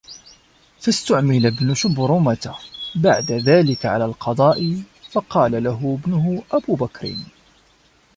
فَاسْتُعْمِلَ ابْنُ شُبْرُمَةَ بَعْدَ ذَلِكَ عَلَى الْقَضَاءِ فَقَالَ لَهُ ابْنُهُ أَبُو بَكْرٍ